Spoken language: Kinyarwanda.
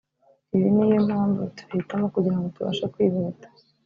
ibi niyo mpamvu tubihitamo kugira ngo tubashe kwihuta”